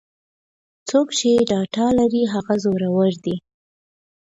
څوک چې ډاټا لري هغه زورور دی.